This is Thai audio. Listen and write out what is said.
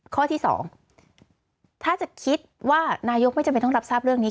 ข้อที่๒ถ้าจะคิดว่านายกไม่จำเป็นต้องรับทราบเรื่องนี้